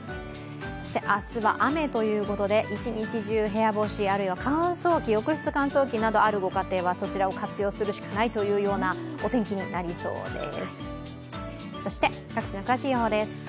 明日は雨ということで、一日中部屋干し、あるいは乾燥機、浴室乾燥機などがあるご家庭はそちらを活用するしかないというお天気になりそうです。